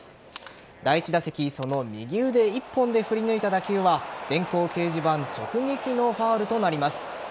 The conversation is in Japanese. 第１打席、その右腕１本で振り抜いた打球は電光掲示板直撃のファウルとなります。